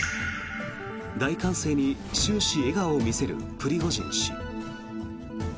大歓声に終始笑顔を見せるプリゴジン氏。